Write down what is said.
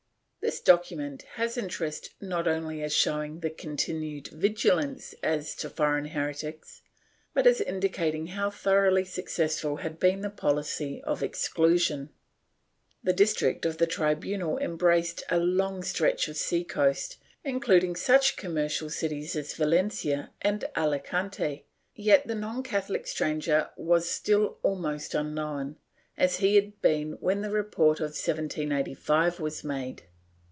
This document has interest not only as showing the continued vigilance as to foreign heretics, but as indicating how thoroughly successful had been the policy of exclusion. The district of the tribunal embraced a long stretch of sea coast, including such commercial cities as Valencia and Alicante, yet the non Catholic stranger was still almost unknown, as he had been when the report of 1785 was made.